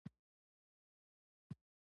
کافران د خپل انکار په وجه سوځي.